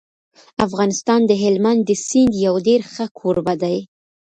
افغانستان د هلمند د سیند یو ډېر ښه کوربه دی.